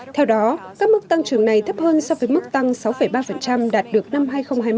theo đó các mức tăng trưởng này thấp hơn so với mức tăng sáu ba đạt được năm hai nghìn hai mươi một và ba năm vào năm hai nghìn hai mươi hai